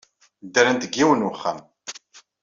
Ddrent deg yiwen n uxxam.